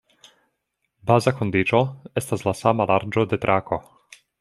Baza kondiĉo estas la sama larĝo de trako.